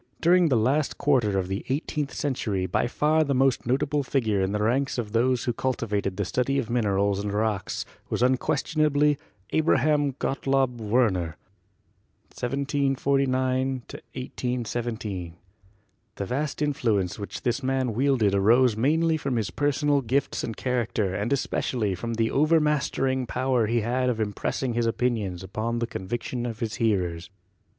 During the last quarter of the eighteenth century by far the most notable figure in the ranks of those who cultivated the study of minerals and rocks was unquestionably Abraham Gottlob Werner (1749 1817). The vast influence which this man wielded arose mainly from his personal gifts and character and especially from the overmastering power he had of im pressing his opinions upon the convictions of his hearers.